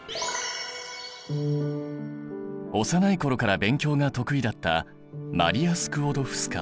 幼い頃から勉強が得意だったマリア・スクウォドフスカ。